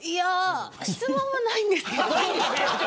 質問はないんですけど。